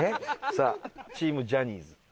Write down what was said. さあチームジャニーズ。